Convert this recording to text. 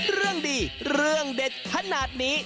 เรื่องดีเรื่องเด็ดขนาดนี้